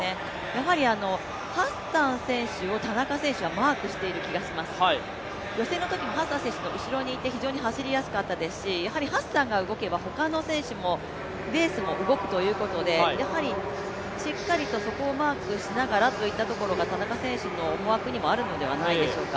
やはりハッサン選手を田中選手はマークしている気がします、予選のときハッサン選手の後ろにいて非常に走りやすかったですし、やはりハッサンが動けば他の選手も、レースも動くということで、やはりしっかりとそこをマークしながらといったところが田中選手の思惑にもあるのではないでしょうか。